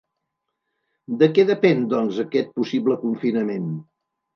De què depèn, doncs, aquest possible confinament?